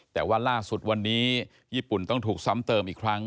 แต่ว่าล่าสุดวันนี้ญี่ปุ่นต้องถูกซ้ำเติมอีกครั้ง